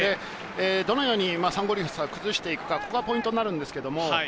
どのようにサンゴリアスが崩していくか、ここがポイントになるんですけど。